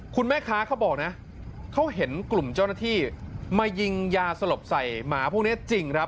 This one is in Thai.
คุณแม่ค้าเขาบอกนะเขาเห็นกลุ่มเจ้าหน้าที่มายิงยาสลบใส่หมาพวกนี้จริงครับ